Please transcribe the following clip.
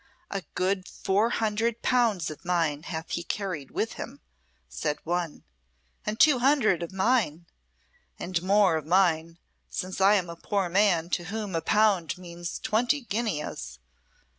"A good four hundred pounds of mine hath he carried with him," said one. "And two hundred of mine!" "And more of mine, since I am a poor man to whom a pound means twenty guineas!"